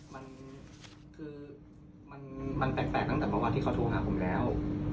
มันคือมันแปลกตั้งแต่เมื่อวานที่เขาโทรหาผมแล้ว